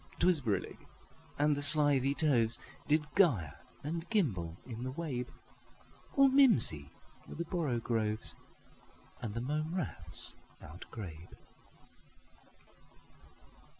'T was brillig, and the slithy tovesDid gyre and gimble in the wabe; All mimsy were the borogoves, And the mome raths outgrabe.